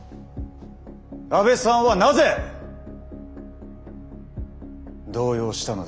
阿部さんはなぜ動揺したのでしょうか。